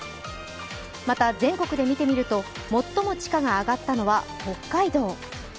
また、全国で見てみると最も地価が上がったのは、北海道。